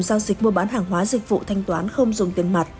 giao dịch mua bán hàng hóa dịch vụ thanh toán không dùng tiền mặt